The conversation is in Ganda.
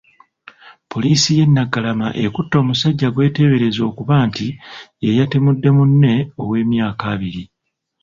Poliisi y'e Naggalama ekutte omusajja gweteebereza okuba nti yeyatemudde munne ow'emyaka abiri.